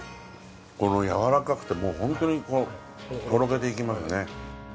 このやわらかくてホントにとろけていきますよね。